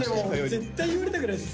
絶対言われたくないです。